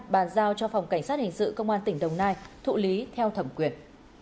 bàn giao cho phòng cảnh sát hình sự công an tỉnh đồng nai thụ lý theo thẩm quyền